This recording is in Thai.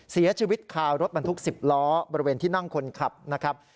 เสียชีวิตคารถบรรทุก๑๐ล้อบริเวณที่นั่งคนขับนะครับ